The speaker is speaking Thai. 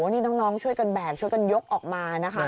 นี่น้องช่วยกันแบกช่วยกันยกออกมานะคะ